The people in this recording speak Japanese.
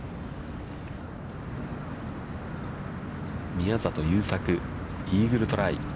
宮里優作、イーグルトライ。